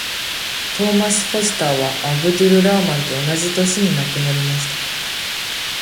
トーマス・フォスターは、アブドゥル・ラーマンと同じ年に亡くなりました。